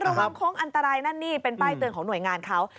ระวังโค้งอันตรายนั่นนี่เป็นป้ายเตือนของหน่วยงานเขา